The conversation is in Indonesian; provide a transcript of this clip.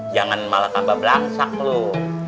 jangan malah tambah berangsak lu